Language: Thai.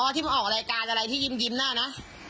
อ๋อที่มาออกรายการอะไรที่ยิ้มกลิ้มหน้านะ